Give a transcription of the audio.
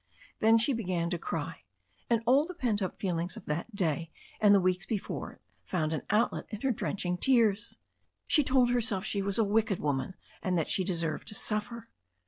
Then she began to cry, and all the pent up feelings of that day and the weeks before it found an outlet in her drenching tears. She told herself she was a wicked woman, and that she deserved to suffer.